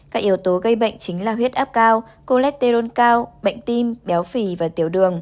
các yếu tố gây bệnh chính là huyết áp cao cô lét tê rôn cao bệnh tim béo phì và tiểu đường